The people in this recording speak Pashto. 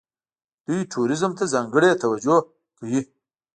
دوی ټوریزم ته ځانګړې توجه کوي.